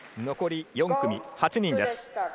残り４組、８人です。